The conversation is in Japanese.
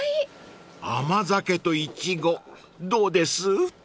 ［甘酒とイチゴどうです？］